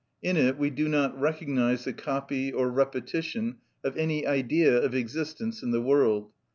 In it we do not recognise the copy or repetition of any Idea of existence in the world.